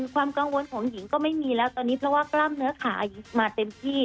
ความกังวลของหญิงก็ไม่มีแล้วตอนนี้เพราะว่ากล้ามเนื้อขามาเต็มที่